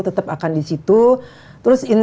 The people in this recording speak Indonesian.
tetap akan di situ terus